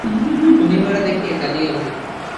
টুনি মারা দেখিয়া কঁদিয়া উঠিল।